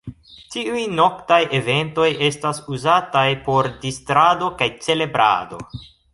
Tiuj noktaj eventoj estas uzataj por distrado kaj celebrado.